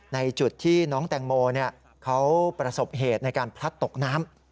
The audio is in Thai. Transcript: ในจุดที่น้องแตงโมเขาประสบเหตุในการพลัดตกน้ำ